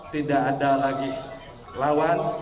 tidak ada lagi lawan